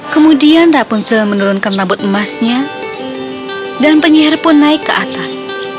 kemudian rapun sudah menurunkan rambut emasnya dan penyihir pun naik ke atas